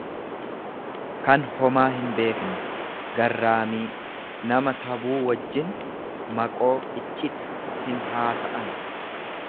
kan homaa hinbeekne, garraamii; Nama tabuu wajjin maqoo iccit hinhaasa'an.